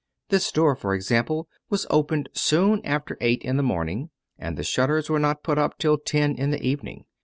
This store, for example, was opened soon after eight in the morning, and the shutters were not put up till ten in the evening.